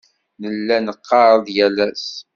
Nella neɣɣar-d yal ass.